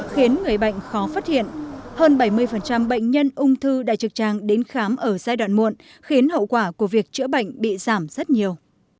khiến người bệnh khó phát hiện hơn bảy mươi bệnh nhân ung thư đại trực tràng đến khám ở giai đoạn muộn khiến hậu quả của việc chữa bệnh bị giảm rất nhiều